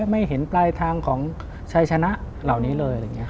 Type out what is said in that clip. ไม่เห็นปลายทางของชัยชนะเหล่านี้เลยอะไรอย่างนี้